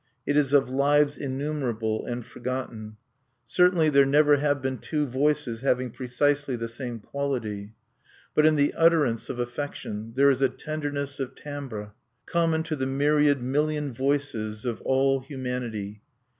It is of lives innumerable and forgotten. Certainly there never have been two voices having precisely the same quality. But in the utterance of affection there is a tenderness of timbre common to the myriad million voices of all humanity.